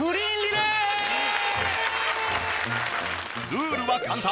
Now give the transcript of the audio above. ルールは簡単。